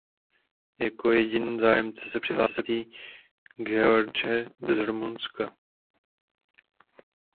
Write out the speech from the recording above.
Jako jediný zájemce se přihlásí Gheorghe z Rumunska.